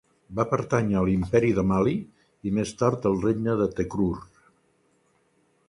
Va pertànyer a l'Imperi de Mali i més tard al regne de Tekrur.